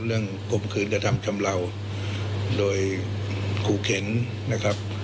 เรื่องกรบคืนกระทำกำลัวโดยผู้เข็นนะครับ